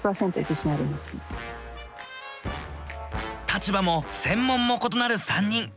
立場も専門も異なる３人。